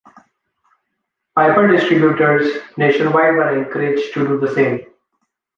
Piper distributors nationwide were encouraged to do the same.